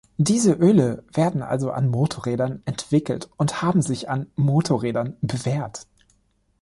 Diese Öle werden also an Motorrädern entwickelt und haben sich an Motorrädern bewährt.